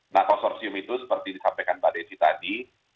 nah konsorsium itu seperti disampaikan mbak desi tadi